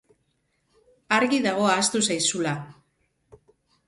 Argi dago ahaztu zaizula.